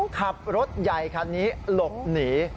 ขับรถใหญ่คันนี้หลบหนี